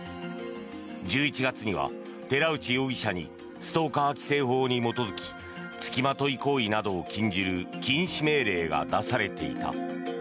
１１月には寺内容疑者にストーカー規制法に基づき付きまとい行為などを禁じる禁止命令が出されていた。